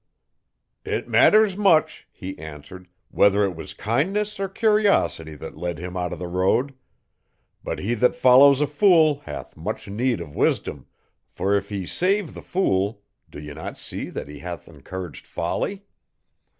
'It matters much,' he answered, 'whether it was kindness or curiosity that led him out of the road. But he that follows a fool hath much need of wisdom, for if he save the fool do ye not see that he hath encouraged folly?'